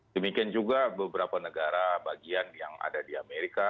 demikian juga beberapa negara bagian yang ada di amerika